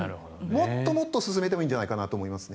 もっともっと進めてもいいんじゃないかなと思います。